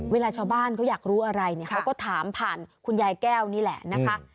เวลาชาวบ้านเขาอยากรู้อะไรเนี่ยเขาก็ถามผ่านคุณยายแก้วนี่แหละนะคะ